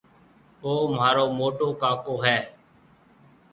او مهارو موٽو ڪاڪو هيَ۔